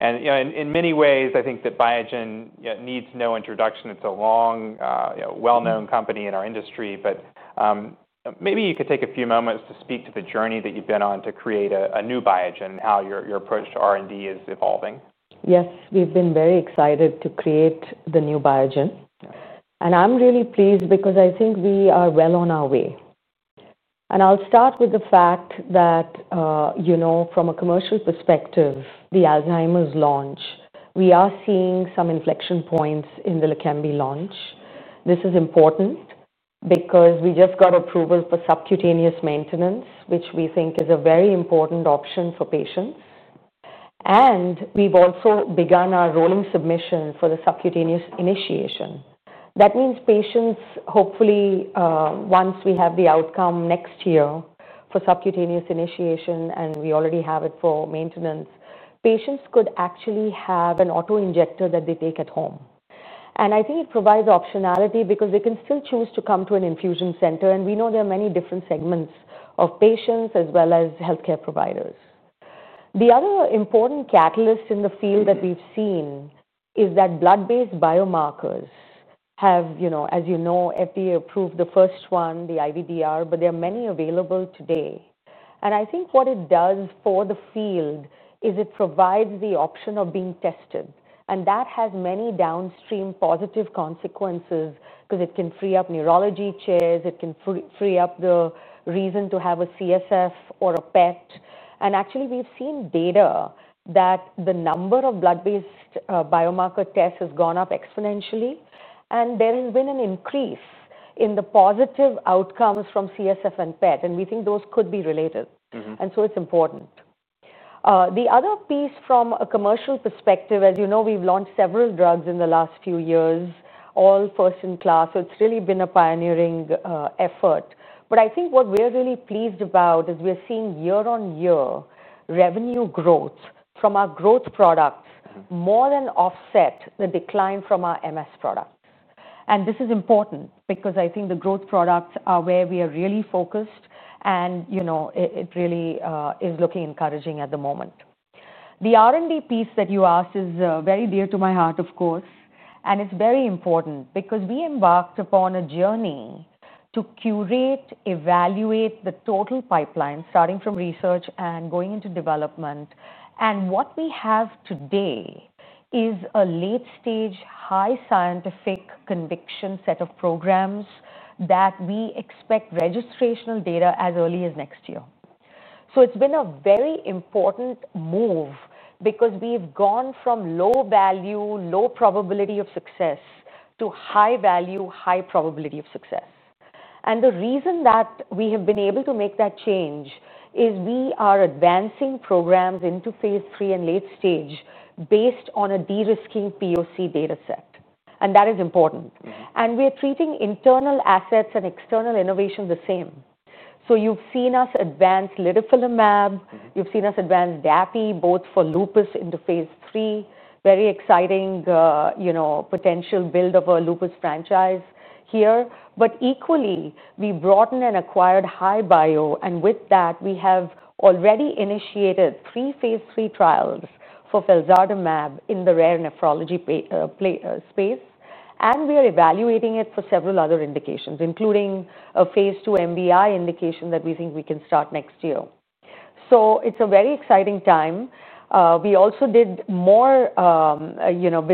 In many ways, I think that Biogen needs no introduction. It's a long, well-known company in our industry. Maybe you could take a few moments to speak to the journey that you've been on to create a new Biogen and how your approach to R&D is evolving. Yes, we've been very excited to create the new Biogen. I'm really pleased because I think we are well on our way. I'll start with the fact that, you know, from a commercial perspective, the Alzheimer's launch, we are seeing some inflection points in the LEQEMBI launch. This is important because we just got approval for subcutaneous maintenance, which we think is a very important option for patients. We've also begun our rolling submission for the subcutaneous initiation. That means patients, hopefully, once we have the outcome next year for subcutaneous initiation, and we already have it for maintenance, patients could actually have an autoinjector that they take at home. I think it provides optionality because they can still choose to come to an infusion center. We know there are many different segments of patients as well as health care providers. The other important catalyst in the field that we've seen is that blood-based biomarkers have, you know, as you know, FDA approved the first one, the IVDR, but there are many available today. I think what it does for the field is it provides the option of being tested. That has many downstream positive consequences because it can free up neurology chairs. It can free up the reason to have a CSF or a PET. Actually, we've seen data that the number of blood-based biomarker tests has gone up exponentially. There has been an increase in the positive outcomes from CSF and PET. We think those could be related. It's important. The other piece from a commercial perspective, as you know, we've launched several drugs in the last few years, all first in class. It's really been a pioneering effort. What we're really pleased about is we're seeing year-on-year revenue growth from our growth products more than offset the decline from our MS product. This is important because I think the growth products are where we are really focused. It really is looking encouraging at the moment. The R&D piece that you asked is very dear to my heart, of course. It's very important because we embarked upon a journey to curate, evaluate the total pipeline, starting from research and going into development. What we have today is a late-stage, high scientific conviction set of programs that we expect registrational data as early as next year. It's been a very important move because we've gone from low value, low probability of success to high value, high probability of success. The reason that we have been able to make that change is we are advancing programs into phase 3 and late stage based on a de-risking proof-of-concept data set. That is important. We're treating internal assets and external innovation the same. You've seen us advance litifilimab. You've seen us advance dapirolizumab pegol, both for lupus into phase 3. Very exciting, you know, potential build of a lupus franchise here. Equally, we broadened and acquired HiBio. With that, we have already initiated three phase 3 trials for felsardimab in the rare nephrology space. We are evaluating it for several other indications, including a phase 2 PMN indication that we think we can start next year. It's a very exciting time. We also did more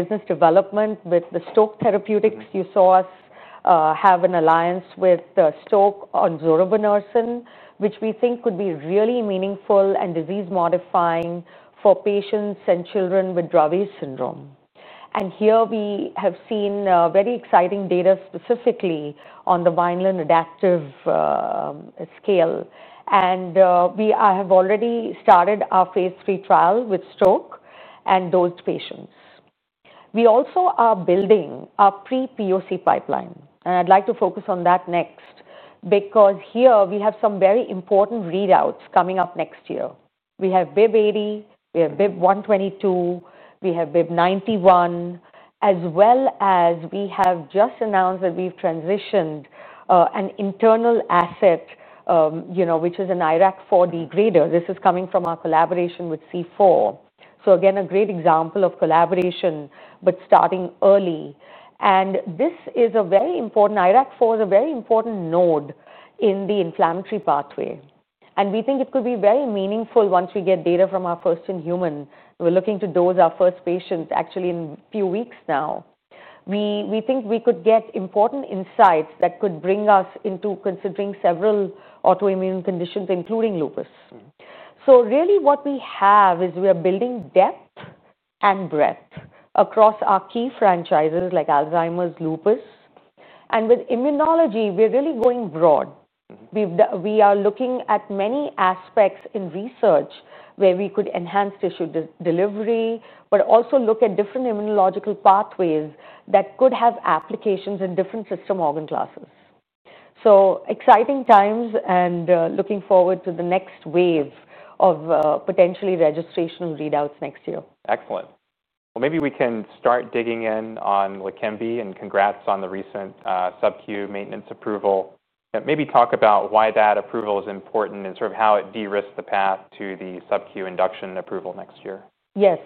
business development with Stoke Therapeutics. You saw us have an alliance with Stoke on Zorobinursin, which we think could be really meaningful and disease-modifying for patients and children with Dravet syndrome. Here we have seen very exciting data, specifically on the Vineland Adaptive Scale. We have already started our phase 3 trial with Stoke and those patients. We also are building our pre-proof-of-concept pipeline. I'd like to focus on that next because here we have some very important readouts coming up next year. We have BIIB080, we have BIIB122, we have BIIB091, as well as we have just announced that we've transitioned an internal asset, which is an IRAK4 degrader. This is coming from our collaboration with C4 Therapeutics. Again, a great example of collaboration, but starting early. This is very important. IRAK4 is a very important node in the inflammatory pathway. We think it could be very meaningful once we get data from our first-in-human. We're looking to dose our first patient actually in a few weeks now. We think we could get important insights that could bring us into considering several autoimmune conditions, including lupus. Really what we have is we are building depth and breadth across our key franchises like Alzheimer's, lupus. With immunology, we're really going broad. We are looking at many aspects in research where we could enhance tissue delivery, but also look at different immunological pathways that could have applications in different system organ classes. Exciting times and looking forward to the next wave of potentially registration readouts next year. Excellent. Maybe we can start digging in on LEQEMBI, and congrats on the recent subcutaneous maintenance approval. Maybe talk about why that approval is important and sort of how it de-risked the path to the subcutaneous induction approval next year. Yes,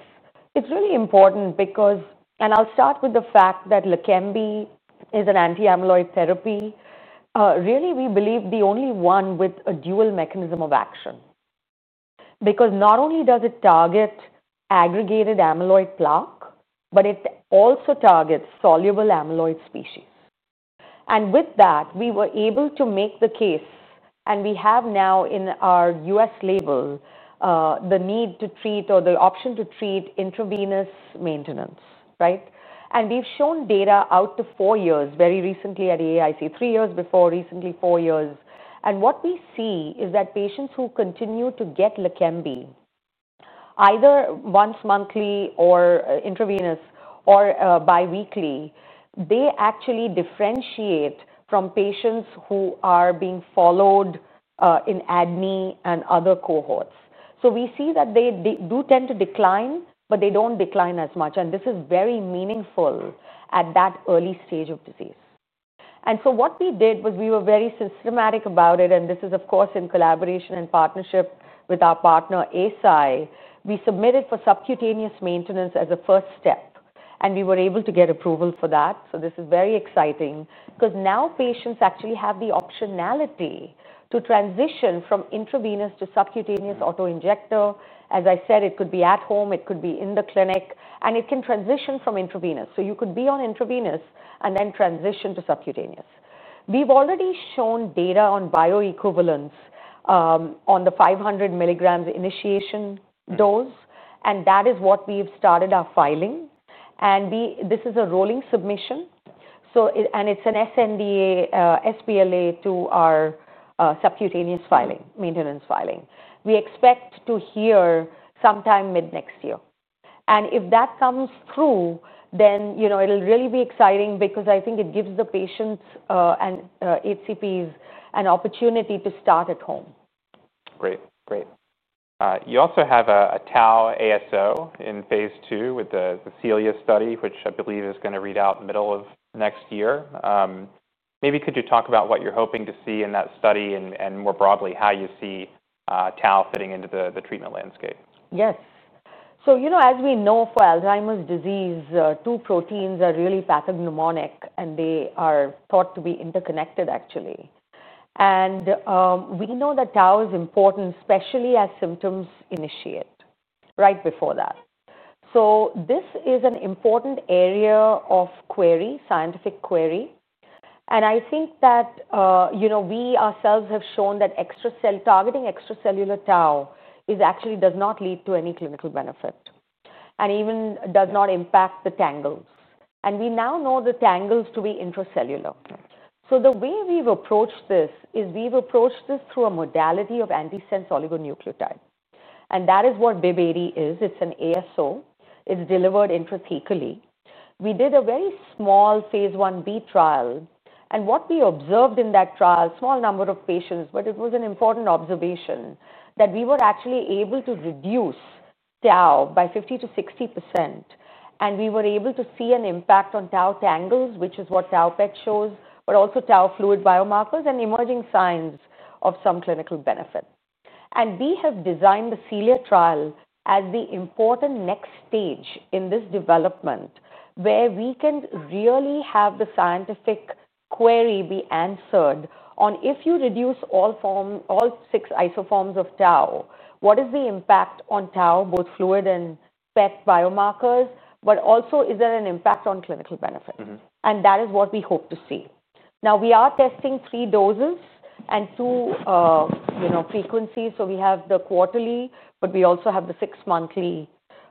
it's really important because, and I'll start with the fact that LEQEMBI is an anti-amyloid therapy. Really, we believe the only one with a dual mechanism of action because not only does it target aggregated amyloid plaque, but it also targets soluble amyloid species. With that, we were able to make the case, and we have now in our U.S. label the need to treat or the option to treat intravenous maintenance. We've shown data out to four years, very recently at AIC, three years before, recently four years. What we see is that patients who continue to get LEQEMBI, either once monthly or intravenous or biweekly, actually differentiate from patients who are being followed in ADME and other cohorts. We see that they do tend to decline, but they don't decline as much. This is very meaningful at that early stage of disease. What we did was we were very systematic about it. This is, of course, in collaboration and partnership with our partner Eisai. We submitted for subcutaneous maintenance as a first step, and we were able to get approval for that. This is very exciting because now patients actually have the optionality to transition from intravenous to subcutaneous autoinjector. As I said, it could be at home, it could be in the clinic, and it can transition from intravenous. You could be on intravenous and then transition to subcutaneous. We've already shown data on bioequivalence on the 500 milligrams initiation dose, and that is what we've started our filing. This is a rolling submission, and it's an sNDA, sBLA to our subcutaneous filing, maintenance filing. We expect to hear sometime mid next year. If that comes through, then, you know, it'll really be exciting because I think it gives the patients and HCPs an opportunity to start at home. Great, great. You also have a TAU ASO in phase two with the CELIA study, which I believe is going to read out middle of next year. Maybe could you talk about what you're hoping to see in that study and more broadly how you see TAU fitting into the treatment landscape? Yes. As we know for Alzheimer's disease, two proteins are really pathognomonic and they are thought to be interconnected, actually. We know that TAU is important, especially as symptoms initiate right before that. This is an important area of query, scientific query. I think that we ourselves have shown that targeting extracellular TAU actually does not lead to any clinical benefit and even does not impact the tangles. We now know the tangles to be intracellular. The way we've approached this is we've approached this through a modality of antisense oligonucleotide. That is what BIIB080 is. It's an ASO. It's delivered intrathecally. We did a very small phase 1b trial. What we observed in that trial, a small number of patients, but it was an important observation that we were actually able to reduce TAU by 50 to 60%. We were able to see an impact on TAU tangles, which is what TAU PET shows, but also TAU fluid biomarkers and emerging signs of some clinical benefit. We have designed the CELIA study as the important next stage in this development where we can really have the scientific query be answered on if you reduce all form, all six isoforms of TAU, what is the impact on TAU, both fluid and PET biomarkers, but also is there an impact on clinical benefit? That is what we hope to see. Now we are testing three doses and two frequencies. We have the quarterly, but we also have the six monthly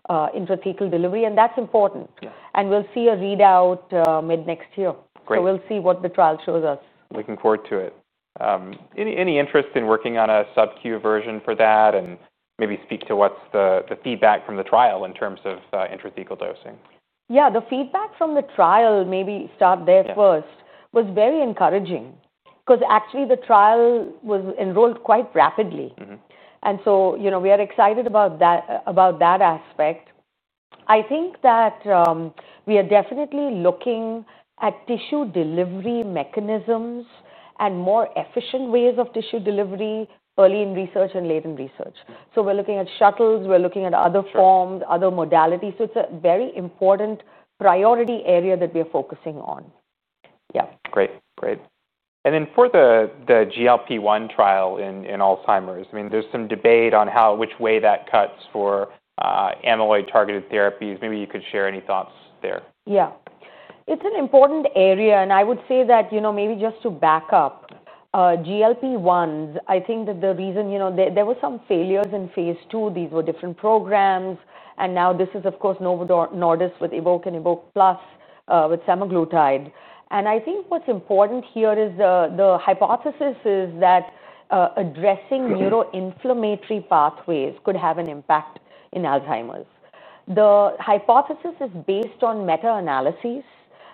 intrathecal delivery. That's important. We'll see a readout mid next year. We'll see what the trial shows us. Looking forward to it. Any interest in working on a subcutaneous version for that, and maybe speak to what's the feedback from the trial in terms of intrathecal dosing? Yeah, the feedback from the trial, maybe start there first, was very encouraging because actually the trial was enrolled quite rapidly. We are excited about that aspect. I think that we are definitely looking at tissue delivery mechanisms and more efficient ways of tissue delivery early in research and late in research. We are looking at shuttles, we are looking at other forms, other modalities. It is a very important priority area that we are focusing on. Great. For the GLP-1 trial in Alzheimer's, there's some debate on how which way that cuts for amyloid targeted therapies. Maybe you could share any thoughts there. Yeah, it's an important area. I would say that, you know, maybe just to back up, GLP-1s, I think that the reason, you know, there were some failures in phase 2. These were different programs. This is, of course, Novo Nordisk with Evoque and Evoque Plus with semaglutide. I think what's important here is the hypothesis is that addressing neuroinflammatory pathways could have an impact in Alzheimer's. The hypothesis is based on meta-analysis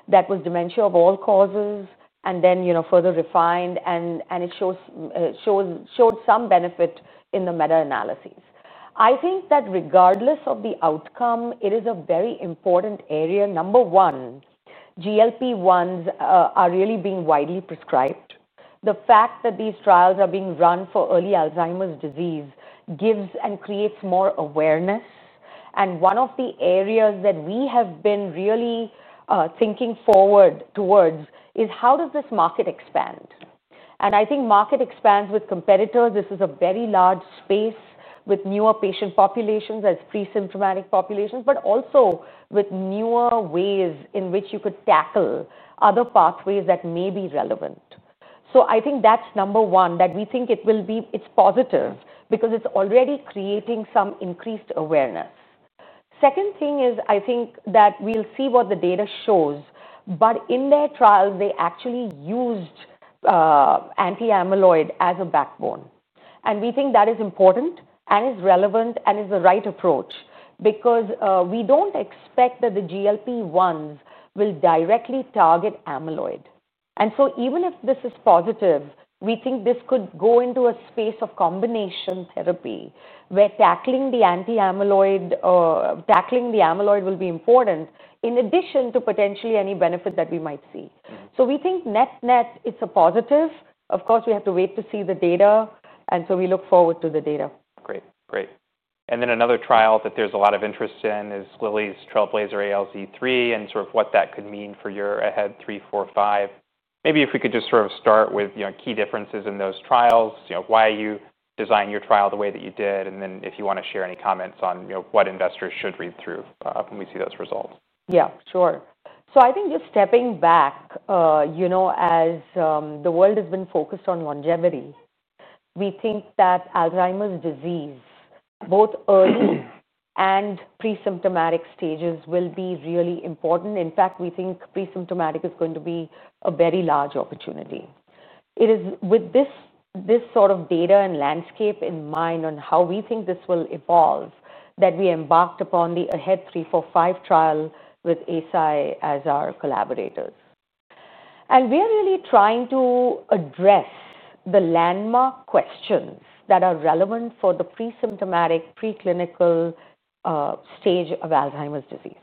that was dementia of all causes and then, you know, further refined. It showed some benefit in the meta-analysis. I think that regardless of the outcome, it is a very important area. Number one, GLP-1s are really being widely prescribed. The fact that these trials are being run for early Alzheimer's disease gives and creates more awareness. One of the areas that we have been really thinking forward towards is how does this market expand? I think market expands with competitors. This is a very large space with newer patient populations as pre-symptomatic populations, but also with newer ways in which you could tackle other pathways that may be relevant. I think that's number one, that we think it will be, it's positive because it's already creating some increased awareness. The second thing is I think that we'll see what the data shows. In their trial, they actually used anti-amyloid as a backbone. We think that is important and is relevant and is the right approach because we don't expect that the GLP-1s will directly target amyloid. Even if this is positive, we think this could go into a space of combination therapy where tackling the anti-amyloid will be important in addition to potentially any benefit that we might see. We think net-net, it's a positive. Of course, we have to wait to see the data. We look forward to the data. Great, great. Another trial that there's a lot of interest in is Lilly's Trailblazer ALZ-3 and sort of what that could mean for your AHEAD 3, 4, 5. Maybe if we could just start with key differences in those trials, you know, why you designed your trial the way that you did. If you want to share any comments on what investors should read through when we see those results. Yeah, sure. I think just stepping back, as the world has been focused on longevity, we think that Alzheimer's disease, both early and pre-symptomatic stages, will be really important. In fact, we think pre-symptomatic is going to be a very large opportunity. It is with this sort of data and landscape in mind on how we think this will evolve that we embarked upon the AHEAD 3, 4, 5 trial with Eisai as our collaborators. We are really trying to address the landmark questions that are relevant for the pre-symptomatic, preclinical stage of Alzheimer's disease.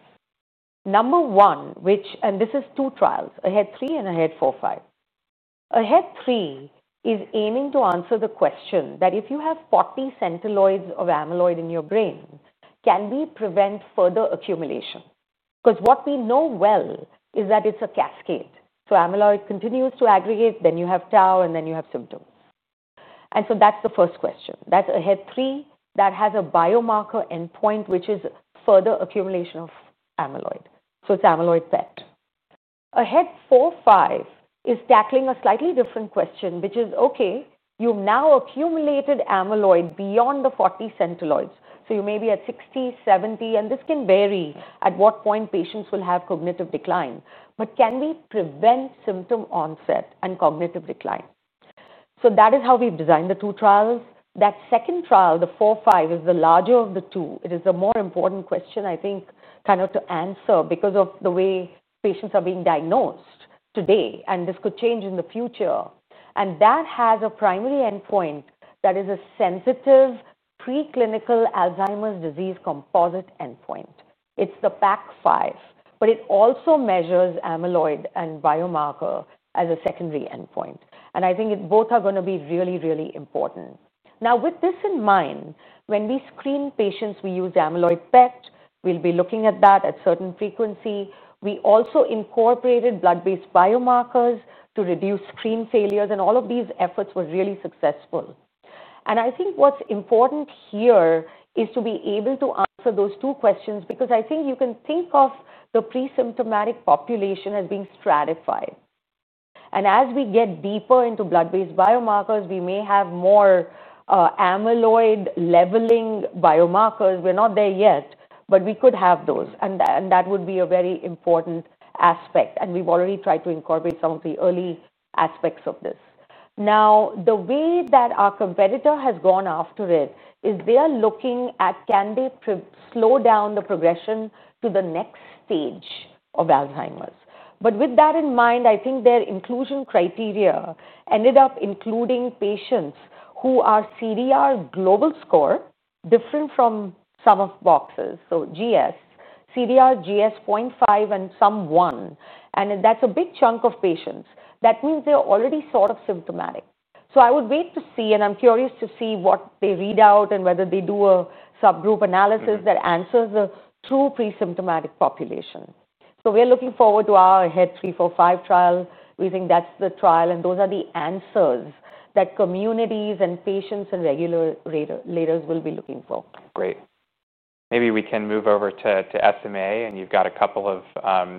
Number one, and this is two trials, AHEAD 3 and AHEAD 4, 5. AHEAD 3 is aiming to answer the question that if you have 40 centiloids of amyloid in your brain, can we prevent further accumulation? What we know well is that it's a cascade. Amyloid continues to aggregate, then you have tau, and then you have symptoms. That's the first question. That's AHEAD 3 that has a biomarker endpoint, which is further accumulation of amyloid, so it's amyloid PET. AHEAD 4, 5 is tackling a slightly different question, which is, okay, you've now accumulated amyloid beyond the 40 centiloids. You may be at 60, 70, and this can vary at what point patients will have cognitive decline. Can we prevent symptom onset and cognitive decline? That is how we've designed the two trials. That second trial, the 4, 5, is the larger of the two. It is a more important question, I think, to answer because of the way patients are being diagnosed today. This could change in the future. That has a primary endpoint that is a sensitive preclinical Alzheimer's disease composite endpoint. It's the PAC-5, but it also measures amyloid and biomarker as a secondary endpoint. I think both are going to be really, really important. Now, with this in mind, when we screen patients, we use amyloid PET. We'll be looking at that at certain frequency. We also incorporated blood-based biomarkers to reduce screen failures. All of these efforts were really successful. I think what's important here is to be able to answer those two questions because you can think of the pre-symptomatic population as being stratified. As we get deeper into blood-based biomarkers, we may have more amyloid leveling biomarkers. We're not there yet, but we could have those. That would be a very important aspect. We've already tried to incorporate some of the early aspects of this. Now, the way that our competitor has gone after it is they are looking at can they slow down the progression to the next stage of Alzheimer's. With that in mind, I think their inclusion criteria ended up including patients who are CDR global score different from some of the boxes. So GS, CDR GS 0.5 and some 1. That's a big chunk of patients. That means they're already sort of symptomatic. I would wait to see, and I'm curious to see what they read out and whether they do a subgroup analysis that answers the true pre-symptomatic population. We're looking forward to our AHEAD 3, 4, 5 trial. We think that's the trial, and those are the answers that communities and patients and regular leaders will be looking for. Great. Maybe we can move over to SMA. You've got a couple of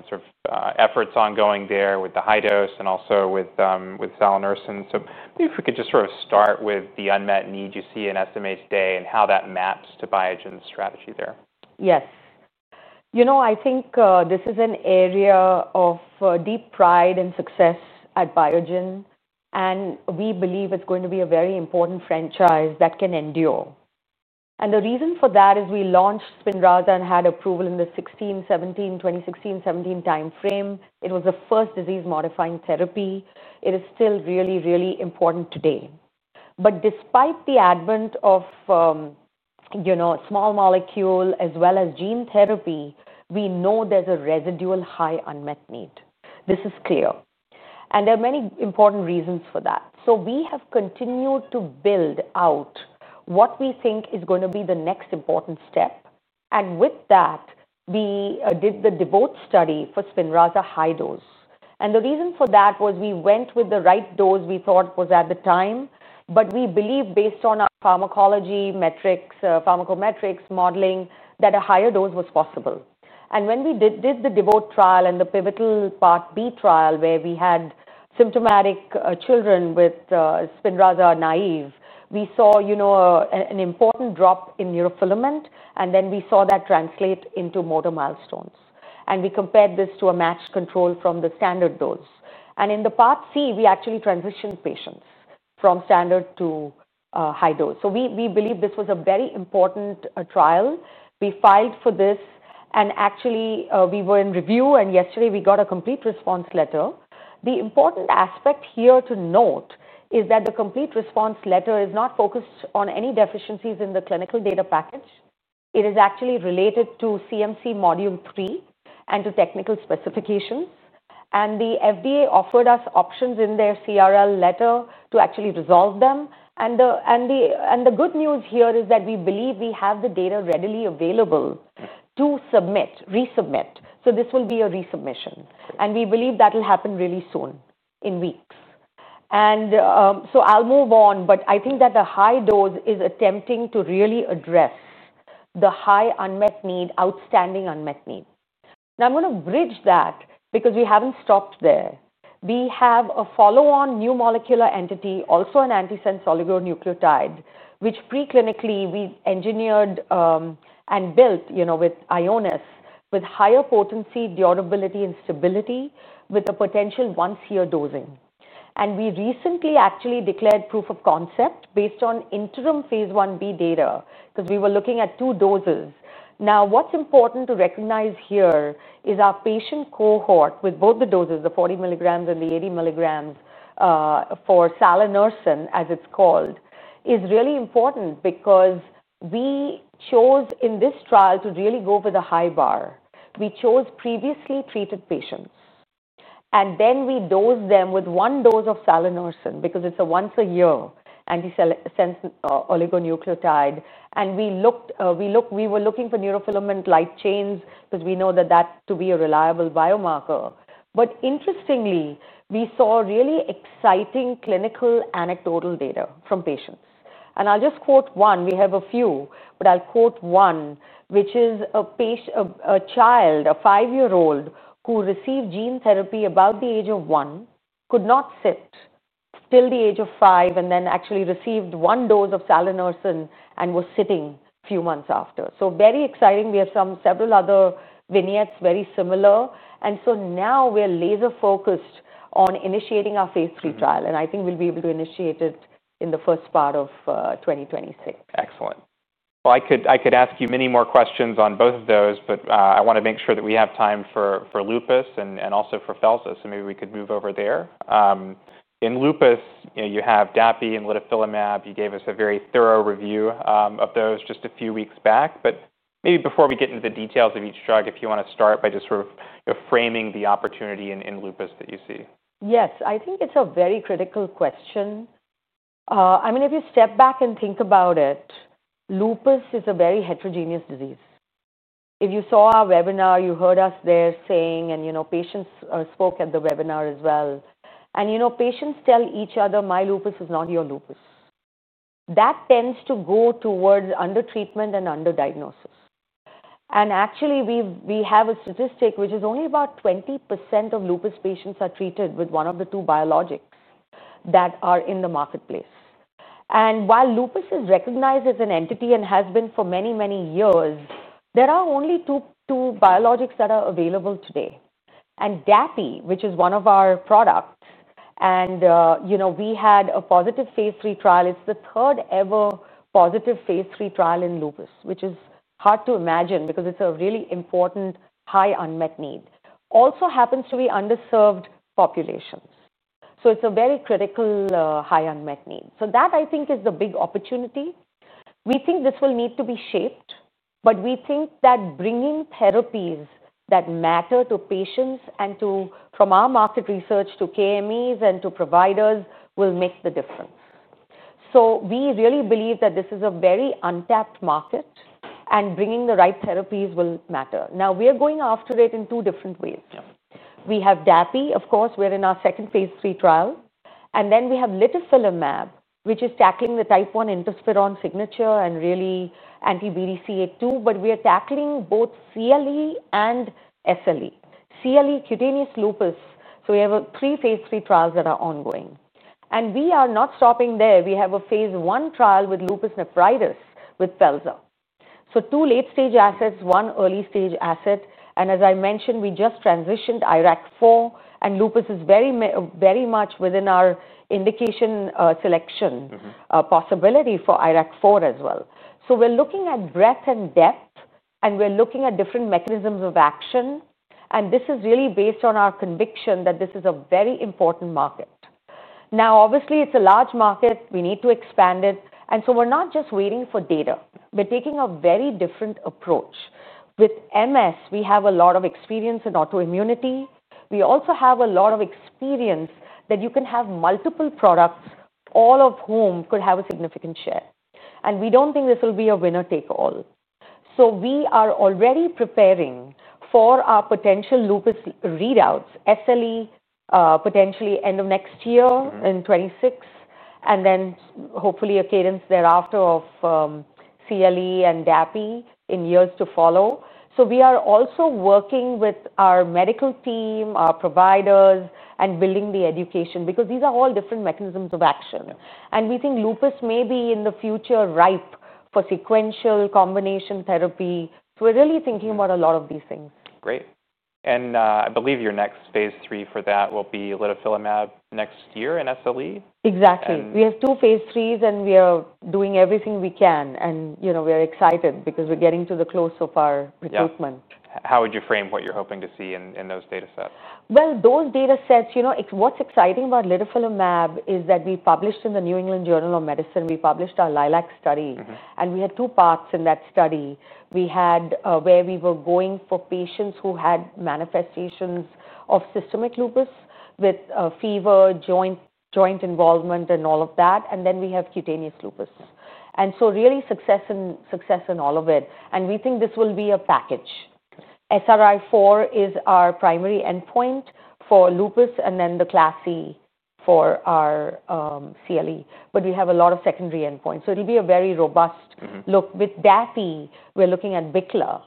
sort of efforts ongoing there with the high dose and also with Salinursin. Maybe if we could just sort of start with the unmet needs you see in SMA today and how that maps to Biogen's strategy there. Yes. I think this is an area of deep pride and success at Biogen. We believe it's going to be a very important franchise that can endure. The reason for that is we launched SPINRAZA and had approval in the 2016-2017 timeframe. It was the first disease-modifying therapy. It is still really, really important today. Despite the advent of small molecule as well as gene therapy, we know there's a residual high unmet need. This is clear. There are many important reasons for that. We have continued to build out what we think is going to be the next important step. With that, we did the DEBOT study for SPINRAZA high dose. The reason for that was we went with the right dose we thought was at the time. We believe based on pharmacology metrics, pharmacometrics modeling, that a higher dose was possible. When we did the DEBOT trial and the pivotal part B trial where we had symptomatic children with SPINRAZA naive, we saw an important drop in neurofilament. We saw that translate into motor milestones. We compared this to a matched control from the standard dose. In the part C, we actually transitioned patients from standard to high dose. We believe this was a very important trial. We filed for this. We were in review. Yesterday, we got a complete response letter. The important aspect here to note is that the complete response letter is not focused on any deficiencies in the clinical data package. It is actually related to CMC module 3 and to technical specifications. The FDA offered us options in their CRL letter to actually resolve them. The good news here is that we believe we have the data readily available to submit, resubmit. This will be a resubmission. We believe that will happen really soon in weeks. I'll move on. I think that the high dose is attempting to really address the high unmet need, outstanding unmet need. Now I'm going to bridge that because we haven't stopped there. We have a follow-on new molecular entity, also an antisense oligonucleotide, which preclinically we engineered and built with Ionis Pharmaceuticals with higher potency, durability, and stability with a potential once-year dosing. We recently actually declared proof of concept based on interim phase 1B data because we were looking at two doses. Now what's important to recognize here is our patient cohort with both the doses, the 40 milligrams and the 80 milligrams for Salinursin, as it's called, is really important because we chose in this trial to really go for the high bar. We chose previously treated patients, and then we dosed them with one dose of Salinursin because it's a once-a-year antisense oligonucleotide. We looked, we were looking for neurofilament light chains because we know that that's to be a reliable biomarker. Interestingly, we saw really exciting clinical anecdotal data from patients. I'll just quote one. We have a few, but I'll quote one, which is a child, a five-year-old who received gene therapy about the age of one, could not sit till the age of five, and then actually received one dose of Salinursin and was sitting a few months after. Very exciting. We have some several other vignettes, very similar. Now we're laser-focused on initiating our phase 3 trial, and I think we'll be able to initiate it in the first part of 2026. Excellent. I could ask you many more questions on both of those, but I want to make sure that we have time for lupus and also for Felsardimab. Maybe we could move over there. In lupus, you have Dapirolizumab pegol and litifilimab. You gave us a very thorough review of those just a few weeks back. Maybe before we get into the details of each drug, if you want to start by just sort of framing the opportunity in lupus that you see. Yes, I think it's a very critical question. If you step back and think about it, lupus is a very heterogeneous disease. If you saw our webinar, you heard us there saying, and you know, patients spoke at the webinar as well. Patients tell each other, "My lupus is not your lupus." That tends to go towards undertreatment and underdiagnosis. We have a statistic which is only about 20% of lupus patients are treated with one of the two biologics that are in the marketplace. While lupus is recognized as an entity and has been for many, many years, there are only two biologics that are available today. Dapirolizumab pegol (DAPI), which is one of our products, and we had a positive phase 3 trial. It's the third ever positive phase 3 trial in lupus, which is hard to imagine because it's a really important high unmet need. It also happens to be underserved populations. It's a very critical high unmet need. That, I think, is the big opportunity. We think this will need to be shaped, but we think that bringing therapies that matter to patients and to, from our market research, to KMEs and to providers will make the difference. We really believe that this is a very untapped market and bringing the right therapies will matter. Now we're going after it in two different ways. We have Dapirolizumab pegol (DAPI), of course, we're in our second phase 3 trial. Then we have litifilimab, which is tackling the type 1 interferon signature and really anti-BDCA2. We're tackling both CLE and SLE, CLE cutaneous lupus. We have three phase 3 trials that are ongoing. We are not stopping there. We have a phase 1 trial with lupus nephritis with Felsardimab. Two late-stage assets, one early-stage asset. As I mentioned, we just transitioned IRAK4. Lupus is very, very much within our indication selection possibility for IRAK4 as well. We're looking at breadth and depth. We're looking at different mechanisms of action. This is really based on our conviction that this is a very important market. Obviously, it's a large market. We need to expand it. We're not just waiting for data. We're taking a very different approach. With MS, we have a lot of experience in autoimmunity. We also have a lot of experience that you can have multiple products, all of whom could have a significant share. We don't think this will be a winner take all. We are already preparing for our potential lupus readouts, SLE, potentially end of next year in 2026, and then hopefully a cadence thereafter of CLE and Dapirolizumab pegol in years to follow. We are also working with our medical team, our providers, and building the education because these are all different mechanisms of action. We think lupus may be in the future ripe for sequential combination therapy. We are really thinking about a lot of these things. Great. I believe your next phase 3 for that will be litifilimab next year in SLE? Exactly. We have two phase 3s, and we are doing everything we can. We are excited because we're getting to the close of our recruitment. How would you frame what you're hoping to see in those data sets? Those data sets, you know, what's exciting about litifilimab is that we published in the New England Journal of Medicine, we published our LILAC study. We had two parts in that study. We had where we were going for patients who had manifestations of systemic lupus with fever, joint involvement, and all of that. Then we have cutaneous lupus. Really success in all of it. We think this will be a package. SRI4 is our primary endpoint for lupus, and then the class C for our CLE. We have a lot of secondary endpoints. It'll be a very robust look. With Dapirolizumab pegol, we're looking at BICLA.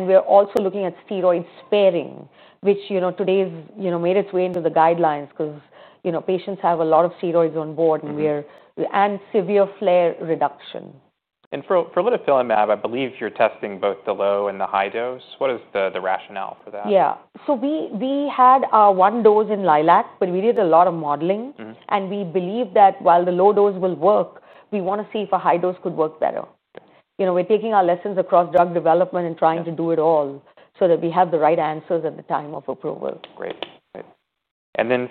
We're also looking at steroid sparing, which, you know, today's, you know, made its way into the guidelines because, you know, patients have a lot of steroids on board and we're seeing severe flare reduction. For litifilimab, I believe you're testing both the low and the high dose. What is the rationale for that? We had our one dose in LILAC, but we did a lot of modeling. We believe that while the low dose will work, we want to see if a high dose could work better. We're taking our lessons across drug development and trying to do it all so that we have the right answers at the time of approval. Great, great.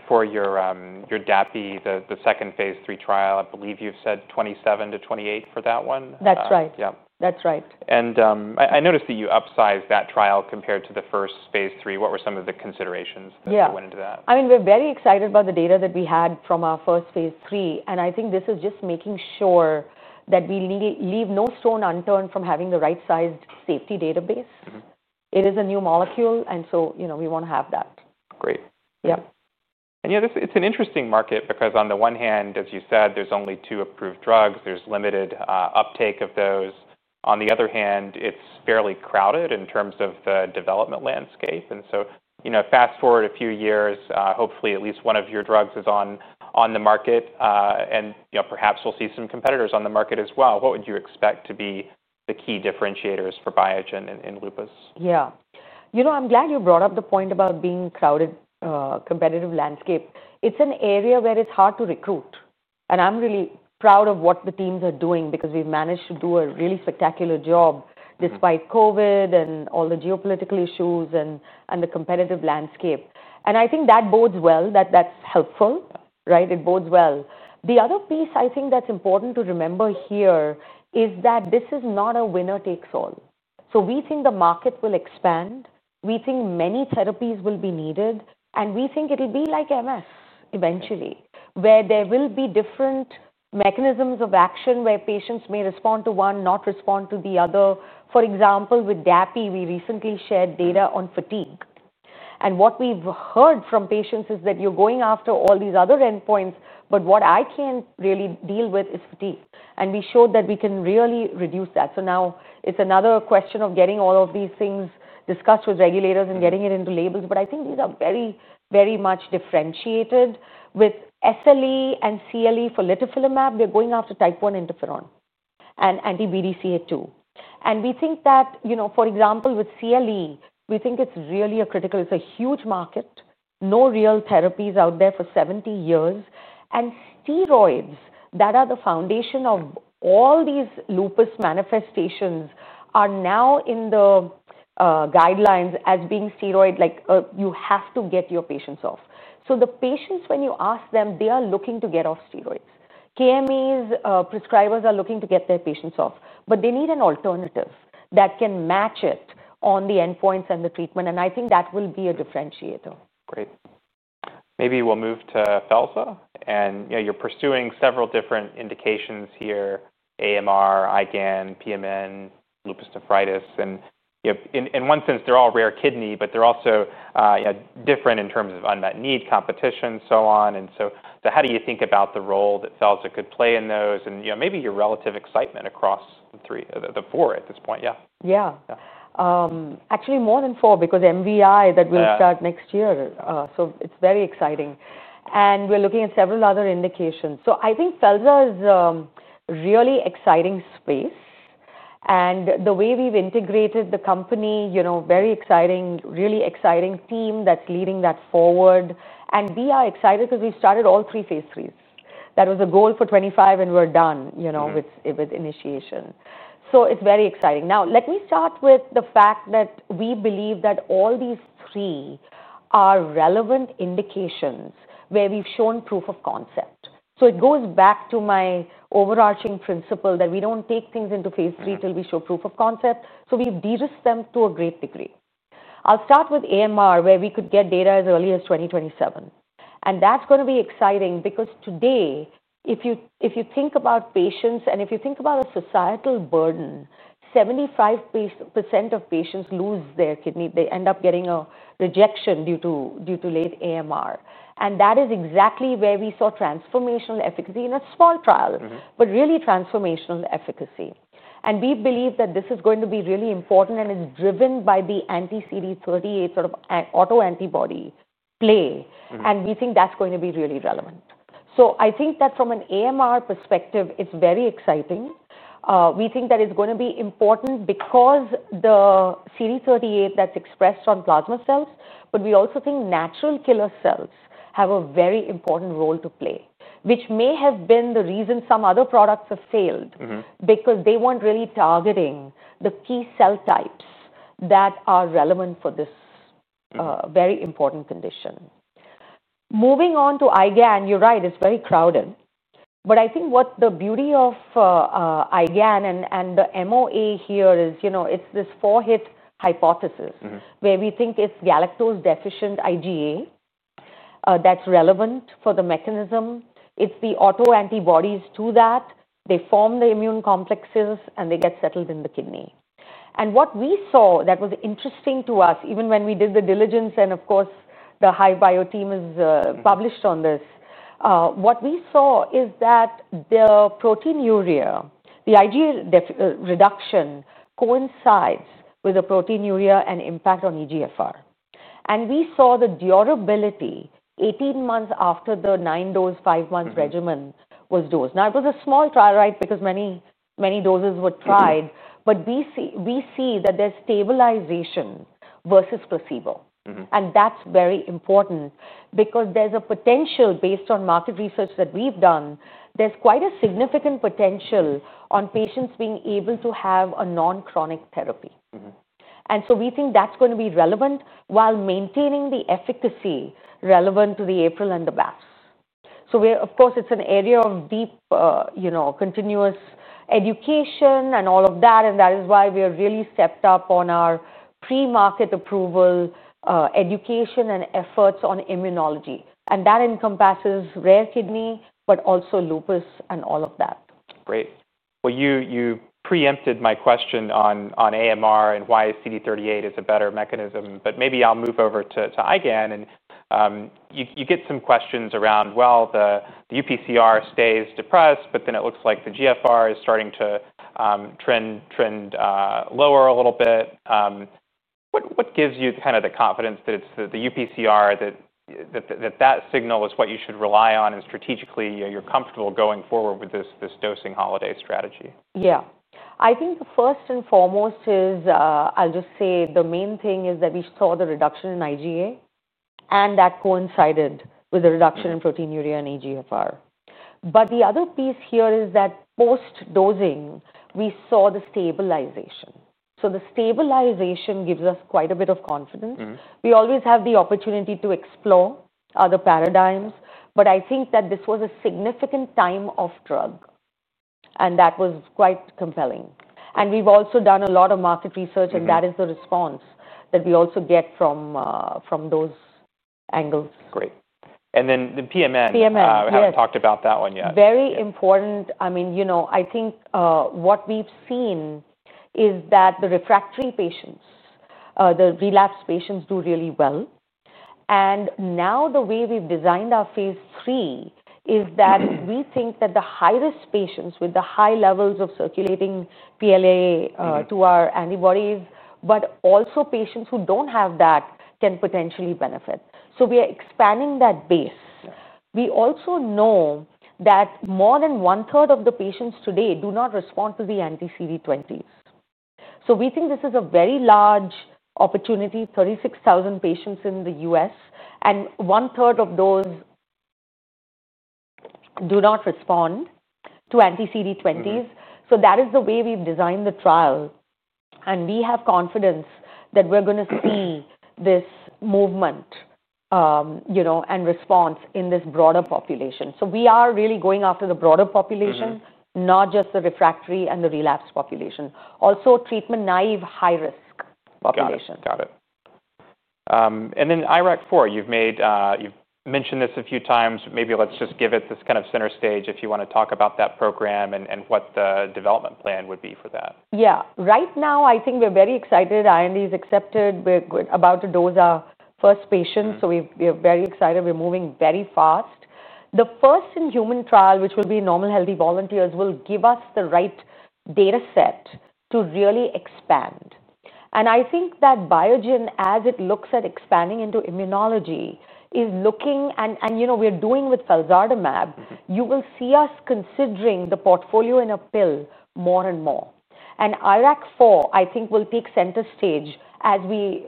For your Dapirolizumab pegol, the second phase 3 trial, I believe you've said 2027 to 2028 for that one? That's right. That's right. I noticed that you upsized that trial compared to the first phase 3. What were some of the considerations that you went into that? Yeah, I mean, we're very excited about the data that we had from our first phase 3. I think this is just making sure that we leave no stone unturned from having the right sized safety database. It is a new molecule, and we want to have that. Great. Yeah, it's an interesting market because on the one hand, as you said, there's only two approved drugs. There's limited uptake of those. On the other hand, it's fairly crowded in terms of the development landscape. Fast forward a few years, hopefully at least one of your drugs is on the market. Perhaps we'll see some competitors on the market as well. What would you expect to be the key differentiators for Biogen in lupus? Yeah, you know, I'm glad you brought up the point about being a crowded competitive landscape. It's an area where it's hard to recruit. I'm really proud of what the teams are doing because we've managed to do a really spectacular job despite COVID and all the geopolitical issues and the competitive landscape. I think that bodes well, that's helpful, right? It bodes well. The other piece I think that's important to remember here is that this is not a winner takes all. We think the market will expand. We think many therapies will be needed. We think it'll be like MS eventually, where there will be different mechanisms of action where patients may respond to one, not respond to the other. For example, with Dapirolizumab pegol, we recently shared data on fatigue. What we've heard from patients is that you're going after all these other endpoints, but what I can't really deal with is fatigue. We showed that we can really reduce that. Now it's another question of getting all of these things discussed with regulators and getting it into labels. I think these are very, very much differentiated. With SLE and CLE for litifilimab, they're going after type 1 interferon and anti-BDCA2. We think that, for example, with CLE, we think it's really a critical, it's a huge market. No real therapies out there for 70 years. Steroids that are the foundation of all these lupus manifestations are now in the guidelines as being steroids, like you have to get your patients off. The patients, when you ask them, they are looking to get off steroids. KMEs, prescribers are looking to get their patients off. They need an alternative that can match it on the endpoints and the treatment. I think that will be a differentiator. Great. Maybe we'll move to Felsardimab. You're pursuing several different indications here: AMR, IgAN, PMN, lupus nephritis. In one sense, they're all rare kidney, but they're also different in terms of unmet need, competition, so on. How do you think about the role that Felsardimab could play in those? Maybe your relative excitement across the three, the four at this point, yeah. Yeah, actually, more than four because MVI, that will start next year. It's very exciting, and we're looking at several other indications. I think Felsa is a really exciting space, and the way we've integrated the company, you know, very exciting, really exciting team that's leading that forward. We are excited because we started all three phase threes. That was a goal for 2025, and we're done, you know, with initiation. It's very exciting. Now, let me start with the fact that we believe that all these three are relevant indications where we've shown proof of concept. It goes back to my overarching principle that we don't take things into phase three till we show proof of concept. We've de-risked them to a great degree. I'll start with AMR, where we could get data as early as 2027. That's going to be exciting because today, if you think about patients and if you think about a societal burden, 75% of patients lose their kidney. They end up getting a rejection due to late AMR, and that is exactly where we saw transformational efficacy in a small trial, but really transformational efficacy. We believe that this is going to be really important, and it's driven by the anti-CD38 sort of autoantibody play. We think that's going to be really relevant. I think that from an AMR perspective, it's very exciting. We think that it's going to be important because the CD38 that's expressed on plasma cells, but we also think natural killer cells have a very important role to play, which may have been the reason some other products have failed because they weren't really targeting the key cell types that are relevant for this very important condition. Moving on to IgAN, you're right, it's very crowded. I think what the beauty of IgAN and the MOA here is, you know, it's this four-hit hypothesis where we think it's galactose-deficient IgA that's relevant for the mechanism. It's the autoantibodies to that. They form the immune complexes, and they get settled in the kidney. What we saw that was interesting to us, even when we did the diligence, and of course, the HiBio team has published on this, what we saw is that the proteinuria, the IgA reduction coincides with the proteinuria and impact on eGFR. We saw the durability 18 months after the nine-dose, five-month regimen was dosed. Now, it was a small trial, right, because many, many doses were tried. We see that there's stabilization versus placebo. That is very important because there's a potential based on market research that we've done. There's quite a significant potential on patients being able to have a non-chronic therapy. We think that's going to be relevant while maintaining the efficacy relevant to the April and the BAPs. It is an area of deep, continuous education and all of that. That is why we have really stepped up on our pre-market approval education and efforts on immunology. That encompasses rare kidney, but also lupus and all of that. Great. You preempted my question on AMR and why CD38 is a better mechanism. Maybe I'll move over to IgAN. You get some questions around, the UPCR stays depressed, but then it looks like the GFR is starting to trend lower a little bit. What gives you kind of the confidence that it's the UPCR, that that signal is what you should rely on and strategically, you know, you're comfortable going forward with this dosing holiday strategy? Yeah, I think the first and foremost is, I'll just say the main thing is that we saw the reduction in IgA. That coincided with the reduction in proteinuria and EGFR. The other piece here is that post-dosing, we saw the stabilization. The stabilization gives us quite a bit of confidence. We always have the opportunity to explore other paradigms. I think that this was a significant time off drug, and that was quite compelling. We've also done a lot of market research, and that is the response that we also get from those angles. Great. PMN, we haven't talked about that one yet. Very important. I mean, you know, I think what we've seen is that the refractory patients, the relapsed patients do really well. Now the way we've designed our phase 3 is that we think that the high-risk patients with the high levels of circulating PLA2R antibodies, but also patients who don't have that, can potentially benefit. We are expanding that base. We also know that more than one-third of the patients today do not respond to the anti-CD20s. We think this is a very large opportunity, 36,000 patients in the U.S., and one-third of those do not respond to anti-CD20s. That is the way we've designed the trial. We have confidence that we're going to see this movement and response in this broader population. We are really going after the broader population, not just the refractory and the relapsed population, also treatment-naive high-risk populations. Got it. IRAK4, you've mentioned this a few times. Maybe let's just give it this kind of center stage if you want to talk about that program and what the development plan would be for that. Yeah, right now, I think we're very excited. IND is accepted. We're about to dose our first patient. We're very excited. We're moving very fast. The first in human trial, which will be normal healthy volunteers, will give us the right data set to really expand. I think that Biogen, as it looks at expanding into immunology, is looking, and you know, we're doing with Felsardimab, you will see us considering the portfolio in a pill more and more. IRAK4, I think, will take center stage as we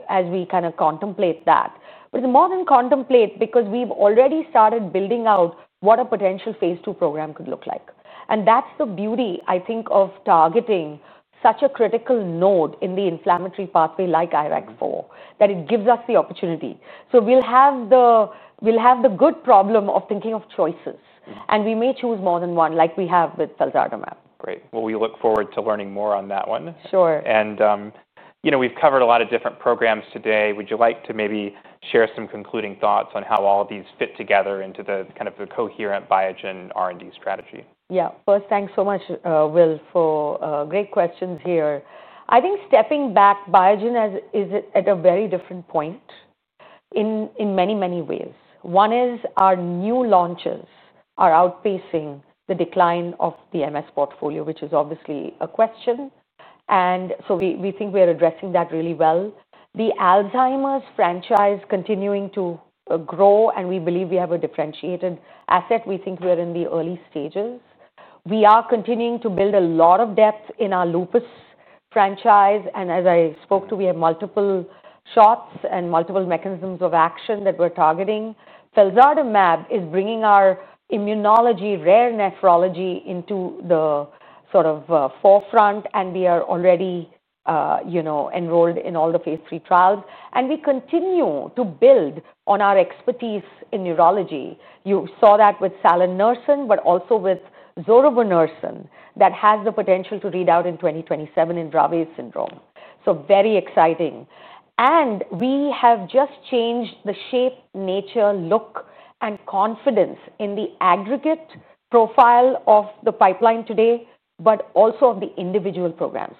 kind of contemplate that. It's more than contemplate because we've already started building out what a potential phase 2 program could look like. That's the beauty, I think, of targeting such a critical node in the inflammatory pathway like IRAK4, that it gives us the opportunity. We'll have the good problem of thinking of choices. We may choose more than one, like we have with Felsardimab. Great. We look forward to learning more on that one. Sure. We've covered a lot of different programs today. Would you like to maybe share some concluding thoughts on how all of these fit together into the kind of the coherent Biogen R&D strategy? Yeah, first, thanks so much, Will, for great questions here. I think stepping back, Biogen is at a very different point in many, many ways. One is our new launches are outpacing the decline of the MS portfolio, which is obviously a question. We think we're addressing that really well. The Alzheimer's franchise is continuing to grow, and we believe we have a differentiated asset. We think we're in the early stages. We are continuing to build a lot of depth in our lupus franchise, and as I spoke to, we have multiple shots and multiple mechanisms of action that we're targeting. Felsardimab is bringing our immunology, rare nephrology into the sort of forefront. We are already enrolled in all the phase 3 trials, and we continue to build on our expertise in neurology. You saw that with Salinursin, but also with Zorobinursin that has the potential to read out in 2027 in Dravet syndrome. Very exciting. We have just changed the shape, nature, look, and confidence in the aggregate profile of the pipeline today, but also of the individual programs.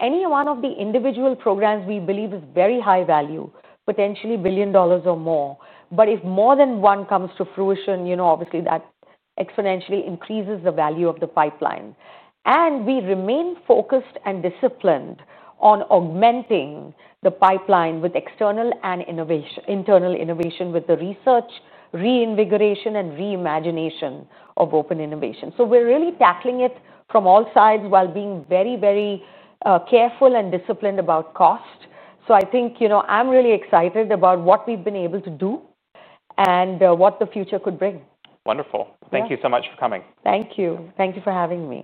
Any one of the individual programs we believe is very high value, potentially $1 billion or more. If more than one comes to fruition, that exponentially increases the value of the pipeline. We remain focused and disciplined on augmenting the pipeline with external and internal innovation, with the research, reinvigoration, and reimagination of open innovation. We're really tackling it from all sides while being very, very careful and disciplined about cost. I think I'm really excited about what we've been able to do and what the future could bring. Wonderful. Thank you so much for coming. Thank you. Thank you for having me.